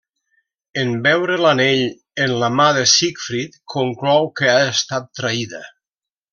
En veure l'anell en la mà de Sigfrid, conclou que ha estat traïda.